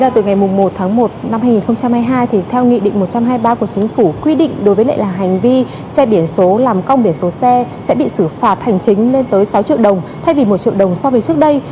từ ngày một tháng một năm hai nghìn hai mươi hai theo nghị định một trăm hai mươi ba của chính phủ quy định đối với lại là hành vi che biển số làm cong biển số xe sẽ bị xử phạt hành chính lên tới sáu triệu đồng thay vì một triệu đồng so với trước đây